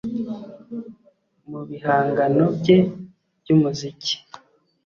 Mu bihangano bye by’umuziki